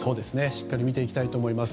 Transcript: しっかり見ていきたいと思います。